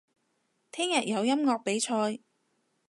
聽日有音樂比賽